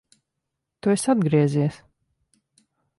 Tu esi atgriezies!